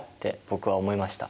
僕は思いました。